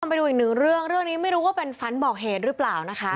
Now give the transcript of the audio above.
ไปดูอีกหนึ่งเรื่องเรื่องนี้ไม่รู้ว่าเป็นฝันบอกเหตุหรือเปล่านะคะ